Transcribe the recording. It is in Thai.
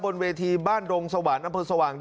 บนเวทีบ้านโดงสวรรค์น้ำพื้นสว่างแดด